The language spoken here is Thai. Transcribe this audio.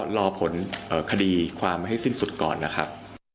รอผลคดีความให้สิ้นสุดก่อนนะครับ